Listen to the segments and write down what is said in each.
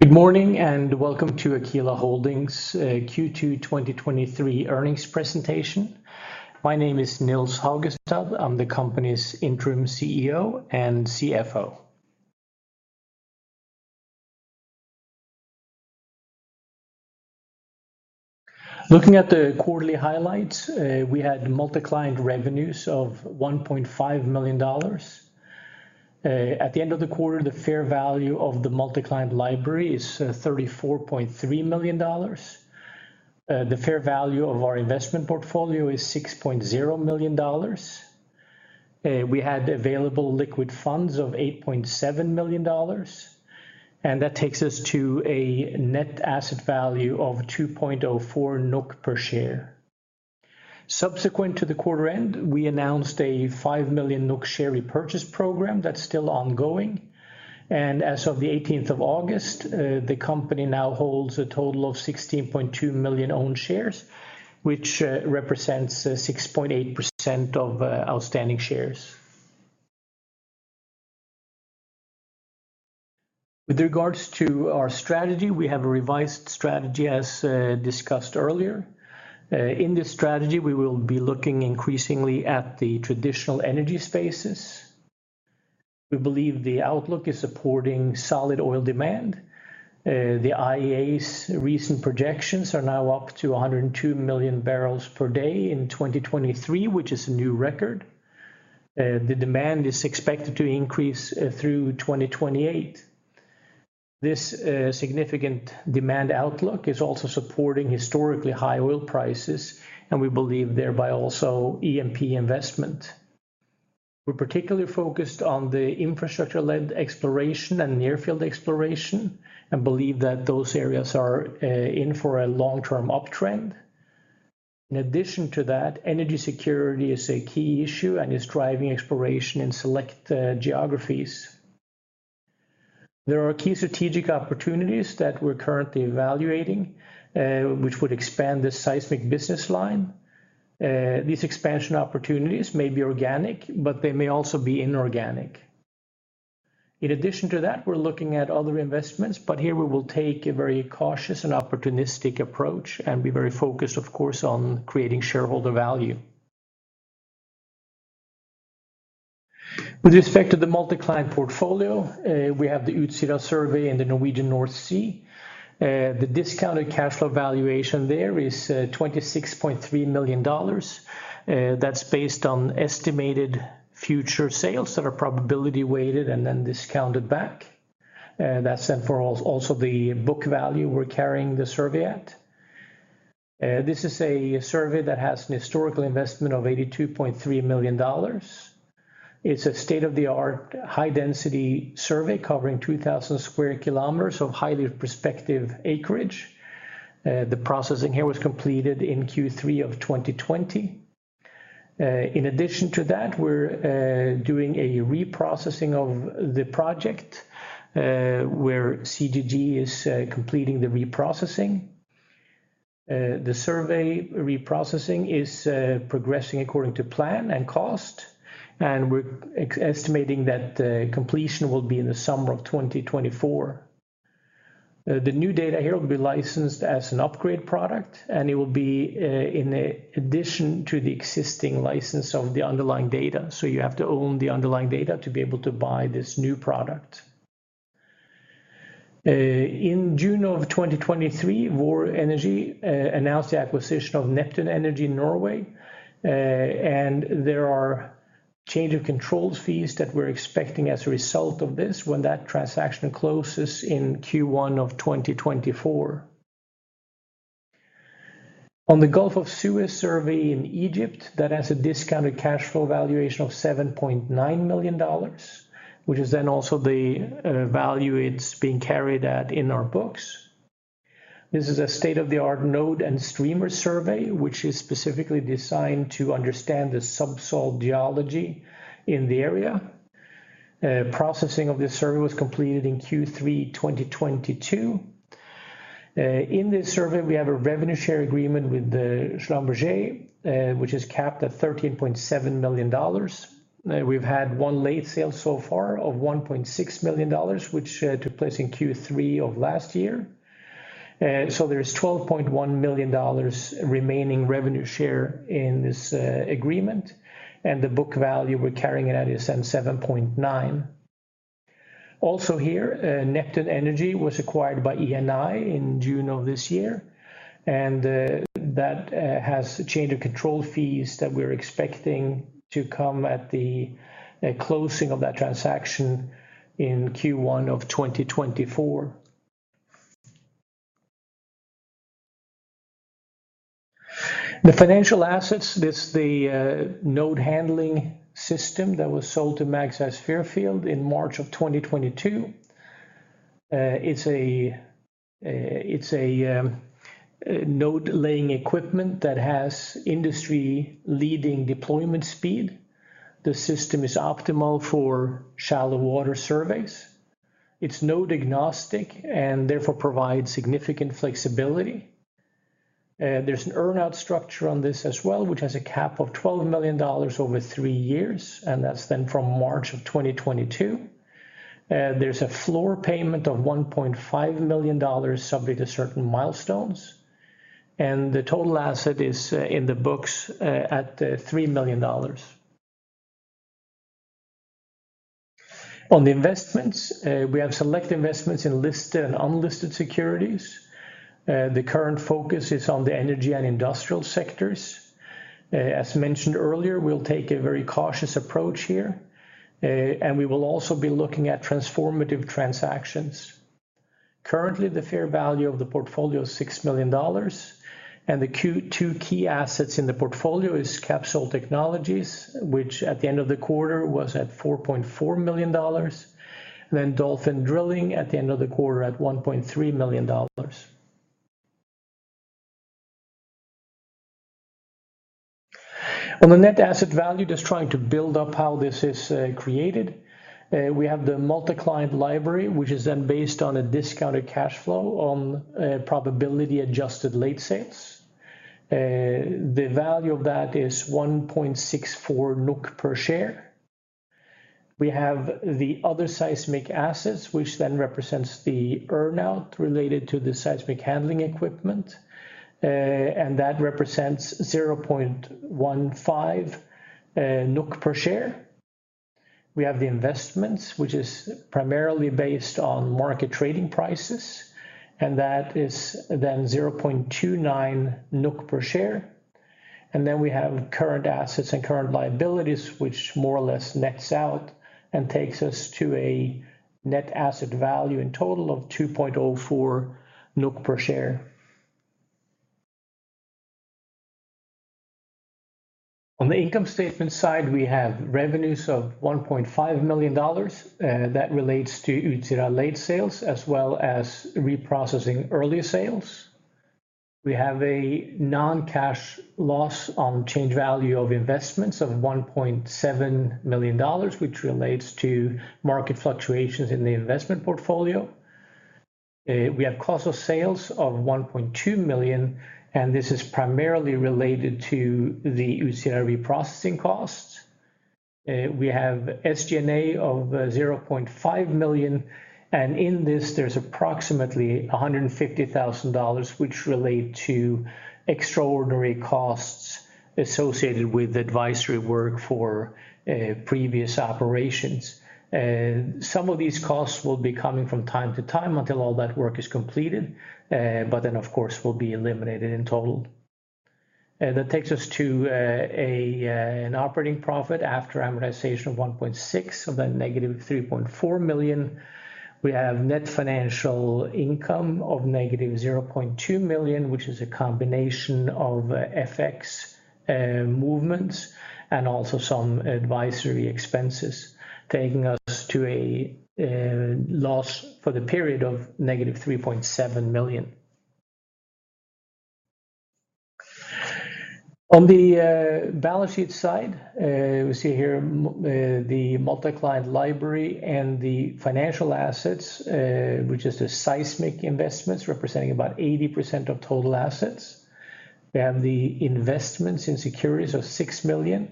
Good morning, and welcome to Aquila Holdings, Q2 2023 earnings presentation. My name is Nils Haugestad. I'm the company's interim CEO and CFO. Looking at the quarterly highlights, we had multi-client revenues of $1.5 million. At the end of the quarter, the fair value of the multi-client library is $34.3 million. The fair value of our investment portfolio is $6.0 million. We had available liquid funds of $8.7 million, and that takes us to a net asset value of 2.04 NOK per share. Subsequent to the quarter end, we announced a 5 million NOK share repurchase program that's still ongoing. As of the 18th of August, the company now holds a total of 16.2 million own shares, which represents 6.8% of outstanding shares. With regards to our strategy, we have a revised strategy, as discussed earlier. In this strategy, we will be looking increasingly at the traditional energy spaces. We believe the outlook is supporting solid oil demand. The IEA's recent projections are now up to 102 million barrels per day in 2023, which is a new record. The demand is expected to increase through 2028. This significant demand outlook is also supporting historically high oil prices, and we believe thereby also E&P investment. We're particularly focused on the infrastructure-led exploration and near-field exploration, and believe that those areas are in for a long-term uptrend. In addition to that, energy security is a key issue and is driving exploration in select geographies. There are key strategic opportunities that we're currently evaluating, which would expand the seismic business line. These expansion opportunities may be organic, but they may also be inorganic. In addition to that, we're looking at other investments, but here we will take a very cautious and opportunistic approach and be very focused, of course, on creating shareholder value. With respect to the multi-client portfolio, we have the Utsira survey in the Norwegian North Sea. The discounted cash flow valuation there is $26.3 million. That's based on estimated future sales that are probability weighted and then discounted back. That's then for also the book value we're carrying the survey at. This is a survey that has an historical investment of $82.3 million. It's a state-of-the-art, high-density survey covering 2,000 sq km of highly prospective acreage. The processing here was completed in Q3 of 2020. In addition to that, we're doing a reprocessing of the project, where CGG is completing the reprocessing. The survey reprocessing is progressing according to plan and cost, and we're estimating that the completion will be in the summer of 2024. The new data here will be licensed as an upgrade product, and it will be in addition to the existing license of the underlying data. You have to own the underlying data to be able to buy this new product. In June of 2023, Vår Energi announced the acquisition of Neptune Energy in Norway, and there are change of controls fees that we're expecting as a result of this when that transaction closes in Q1 of 2024. On the Gulf of Suez survey in Egypt, that has a discounted cash flow valuation of $7.9 million, which is then also the value it's being carried at in our books. This is a state-of-the-art node and streamer survey, which is specifically designed to understand the subsoil geology in the area. Processing of this survey was completed in Q3 2022. In this survey, we have a revenue share agreement with the SLB, which is capped at $13.7 million. We've had one late sale so far of $1.6 million, which took place in Q3 of last year. There is $12.1 million remaining revenue share in this agreement, and the book value we're carrying it at is then $7.9 million. Here, Neptune Energy was acquired by Eni in June of this year, that has change of control fees that we're expecting to come at the closing of that transaction in Q1 of 2024. The financial assets, this the node handling system that was sold to Magseis Fairfield in March of 2022. It's a node-laying equipment that has industry-leading deployment speed. The system is optimal for shallow water surveys. It's node-agnostic and therefore provides significant flexibility. There's an earn-out structure on this as well, which has a cap of $12 million over three years, and that's then from March of 2022. There's a floor payment of $1.5 million, subject to certain milestones, and the total asset is in the books at $3 million. On the investments, we have select investments in listed and unlisted securities. The current focus is on the energy and industrial sectors. As mentioned earlier, we'll take a very cautious approach here, and we will also be looking at transformative transactions. Currently, the fair value of the portfolio is $6 million, and two key assets in the portfolio is Capsol Technologies, which at the end of the quarter was at $4.4 million, and Dolphin Drilling at the end of the quarter at $1.3 million. On the net asset value, just trying to build up how this is created. We have the multi-client library, which is then based on a discounted cash flow on probability adjusted late sales. The value of that is 1.64 NOK per share. We have the other seismic assets, which then represents the earn-out related to the seismic handling equipment, and that represents 0.15 NOK per share. We have the investments, which is primarily based on market trading prices, that is then 0.29 NOK per share. We have current assets and current liabilities, which more or less nets out and takes us to a net asset value in total of 2.04 NOK per share. On the income statement side, we have revenues of $1.5 million that relates to Utsira late sales, as well as reprocessing earlier sales. We have a non-cash loss on change value of investments of $1.7 million, which relates to market fluctuations in the investment portfolio. We have cost of sales of $1.2 million, and this is primarily related to the Utsira reprocessing costs. We have SG&A of $0.5 million. In this, there's approximately $150,000, which relate to extraordinary costs associated with advisory work for previous operations. Some of these costs will be coming from time to time until all that work is completed, but then, of course, will be eliminated in total. That takes us to an operating profit after amortization of $1.6 million, so then -$3.4 million. We have net financial income of -$0.2 million, which is a combination of FX movements and also some advisory expenses, taking us to a loss for the period of -$3.7 million. On the balance sheet side, we see here... the multi-client library and the financial assets, which is the seismic investments, representing about 80% of total assets. We have the investments in securities of $6 million,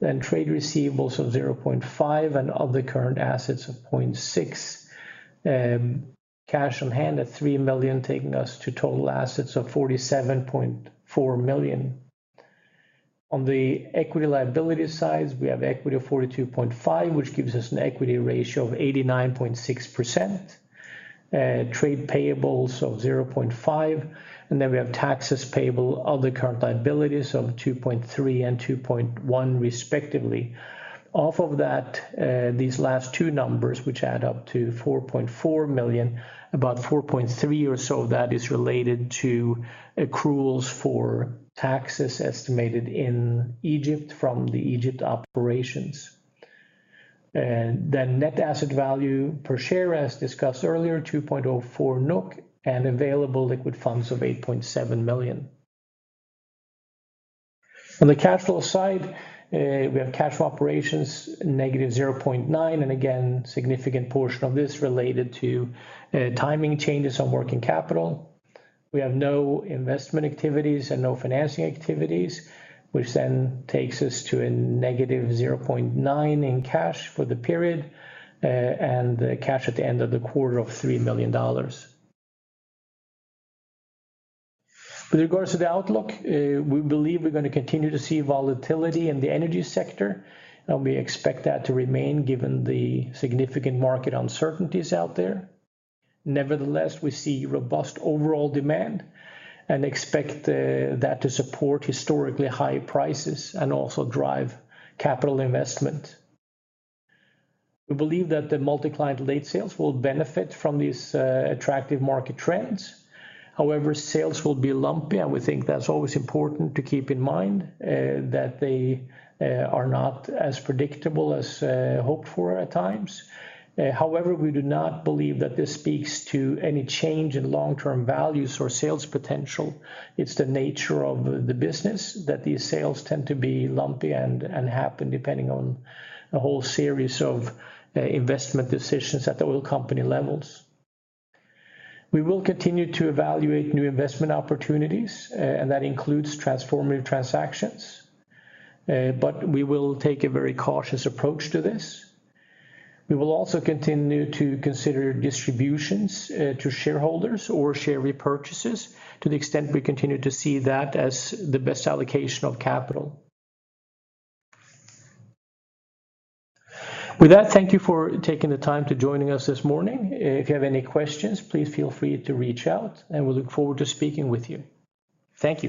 then trade receivables of 0.5, and other current assets of 0.6. Cash on hand at $3 million, taking us to total assets of $47.4 million. On the equity liability side, we have equity of $42.5, which gives us an equity ratio of 89.6%, trade payables of 0.5, and then we have taxes payable, other current liabilities of $2.3 and $2.1 respectively. Off of that, these last two numbers, which add up to 4.4 million, about 4.3 or so, that is related to accruals for taxes estimated in Egypt from the Egypt operations. Net asset value per share, as discussed earlier, 2.04 NOK and available liquid funds of $8.7 million. On the cash flow side, we have cash flow operations, -$0.9, and again, significant portion of this related to timing changes on working capital. We have no investment activities and no financing activities, which then takes us to a -$0.9 in cash for the period, and cash at the end of the quarter of $3 million. With regards to the outlook, we believe we're gonna continue to see volatility in the energy sector, and we expect that to remain given the significant market uncertainties out there. Nevertheless, we see robust overall demand and expect that to support historically high prices and also drive capital investment. We believe that the multi-client late sales will benefit from these attractive market trends. Sales will be lumpy, and we think that's always important to keep in mind that they are not as predictable as hoped for at times. We do not believe that this speaks to any change in long-term values or sales potential. It's the nature of the business, that these sales tend to be lumpy and, and happen depending on a whole series of investment decisions at the oil company levels. We will continue to evaluate new investment opportunities, and that includes transformative transactions, but we will take a very cautious approach to this. We will also continue to consider distributions to shareholders or share repurchases to the extent we continue to see that as the best allocation of capital. With that, thank you for taking the time to joining us this morning. If you have any questions, please feel free to reach out, and we look forward to speaking with you. Thank you.